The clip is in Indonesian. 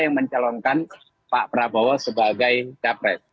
yang mencalonkan pak prabowo sebagai capres